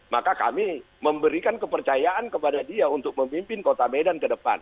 maka kami memberikan kepercayaan kepada dia untuk memimpin kota medan ke depan